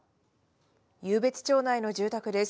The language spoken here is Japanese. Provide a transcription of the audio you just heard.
湧別町内の住宅です。